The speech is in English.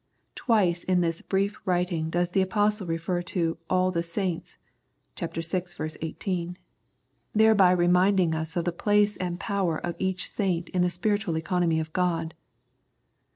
Twice in this brief writing does the Apostle refer to " all the saints " (ch. vi. 1 8), thereby reminding us of the place and power of each saint in the spiritual economy of God.